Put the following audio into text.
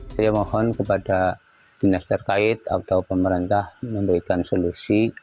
saya mohon kepada dinas terkait atau pemerintah memberikan solusi